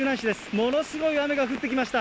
ものすごい雨が降ってきました。